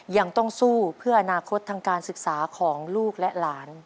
ยังต้องสู้เพื่ออนาคตทางการศึกษาของลูกและหลาน